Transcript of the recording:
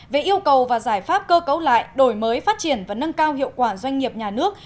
về yêu cầu và giải pháp cơ cấu lại đổi mới phát triển và nâng cao hiệu quả doanh nghiệp nhà nước